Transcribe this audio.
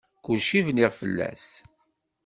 Kulci bniɣ fell-as.